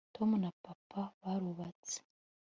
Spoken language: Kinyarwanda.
Tom na papa barubatse